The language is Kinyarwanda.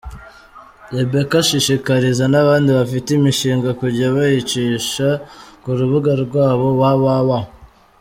Rebbecca ashishikariza n’abandi bafite imishinga kujya bayicisha ku rubuga rwabo www.